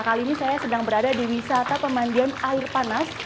kali ini saya sedang berada di wisata pemandian air panas